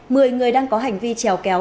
mười người đang có hành vi trèo kéo